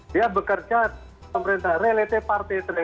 dia bekerja pemerintah relative party